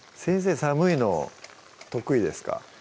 寒いの得意ですか？